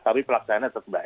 tapi pelaksananya terkembang